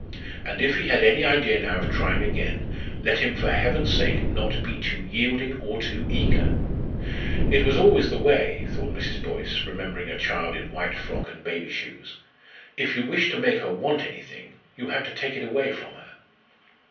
And if he had any idea now of trying again, let him, for Heaven's sake, not be too yielding or too eager! "It was always the way," thought Mrs. Boyce, remembering a child in white frock and baby shoes "if you wished to make her want anything, you had to take it away from her."